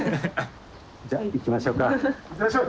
じゃあ行きましょうか。